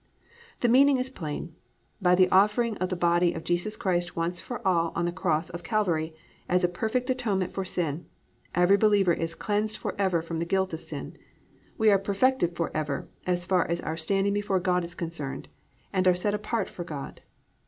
"+ The meaning is plain. By the offering of the body of Jesus Christ once for all on the Cross of Calvary as a perfect atonement for sin, every believer is cleansed forever from the guilt of sin. We are "perfected forever" as far as our standing before God is concerned, and are set apart for God.